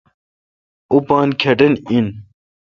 اوں پان کتھ آین؟